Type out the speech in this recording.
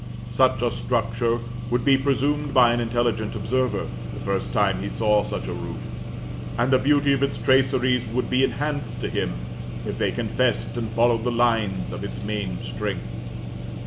Such a structure would be presumed by an intelligent observer, the first time he saw such a roof; and the beauty of its traceries would be enhanced to him if they confessed and followed the lines of its main strength.